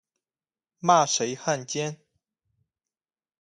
骂谁汉奸